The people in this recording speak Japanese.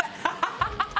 ハハハハ！